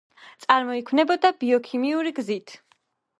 წარმოიქმნება ბიოქიმიური გზით.